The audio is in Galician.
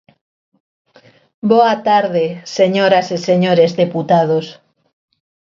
Boa tarde, señoras e señores deputados.